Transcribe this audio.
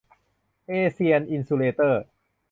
เอเชียน อินซูเลเตอร์